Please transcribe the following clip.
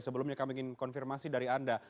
sebelumnya kami ingin konfirmasi dari anda